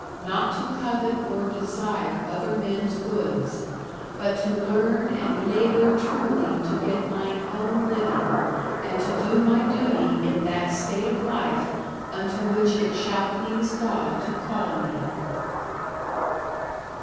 Not to covet nor desire other men's goods; But to learn and labour truly to get mine own living, and to do my duty in that state of life, unto which it shall please God to call me.